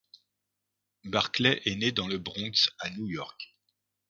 Barkley est né dans le Bronx à New York.